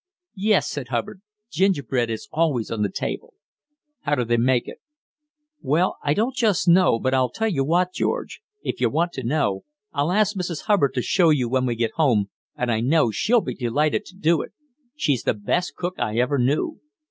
"Yes," said Hubbard; "gingerbread is always on the table." "How do they make it? "Well, I don't just know; but I'll tell you what, George if you want to know, I'll ask Mrs. Hubbard to show you when we get home, and I know she'll be delighted to do it. She's the best cook I ever knew."